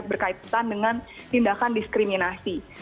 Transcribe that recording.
berkaitan dengan tindakan diskriminasi